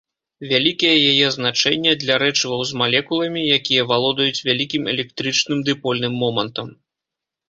Вялікія яе значэнне для рэчываў з малекуламі, якія валодаюць вялікім электрычным дыпольным момантам.